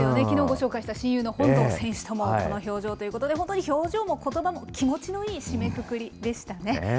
きのうご紹介した親友の本堂選手とも、表情ということで、本当に表情も気持ちのいい締めくくりでしたね。